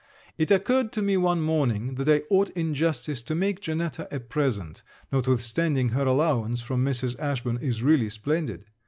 It occurred to me one morning that I ought in justice to make Janetta a present, notwithstanding her allowance from Mrs. Ashburn is really splendid.